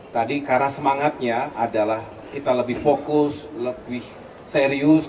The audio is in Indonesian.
tadi karena semangatnya adalah kita lebih fokus lebih serius